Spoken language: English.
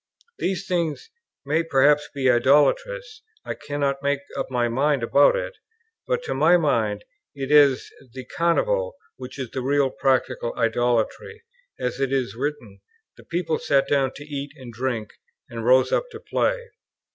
These things may perhaps be idolatrous; I cannot make up my mind about it; but to my mind it is the Carnival that is real practical idolatry, as it is written, 'the people sat down to eat and drink, and rose up to play.'"